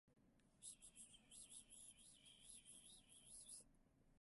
それは機械的でもない、合目的的でもない、しかしてそれが真に論理的ということである。